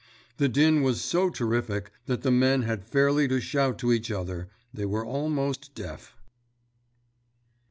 The din was so terrific that the men had fairly to shout to each other—they were almost deaf.